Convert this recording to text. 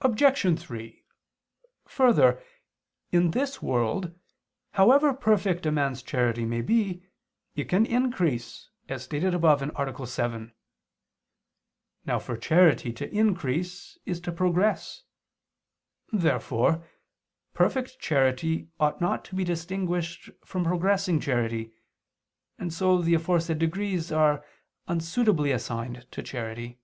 Obj. 3: Further, in this world, however perfect a man's charity may be, it can increase, as stated above (A. 7). Now for charity to increase is to progress. Therefore perfect charity ought not to be distinguished from progressing charity: and so the aforesaid degrees are unsuitably assigned to charity.